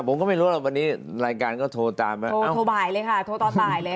ผมก็ไม่รู้ว่าว่าวันนี้รายการก็โทรตามโทรโทรบ่ายเลยค่ะโทรตอนตายเลยค่ะ